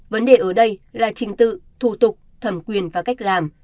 vấn đề ở đây là trình tự thủ tục thẩm quyền và cách làm